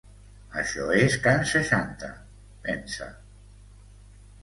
Això és can seixanta, pensa.